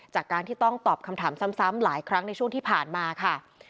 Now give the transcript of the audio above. จากการที่ต้องตอบคำถามซ้ำหลายครั้งในช่วงที่ผ่านมาค่ะ